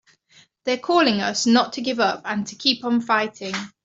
They're calling to us not to give up and to keep on fighting!